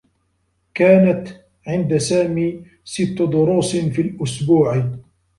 كانت عند سامي ستّ دروس في الأسبوع.